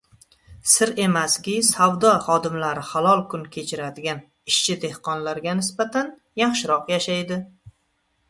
— Sir emaski, savdo xodimlari halol kun kechiradigan ishchi-dehqonlarga nisbatan yaxshiroq yashaydi.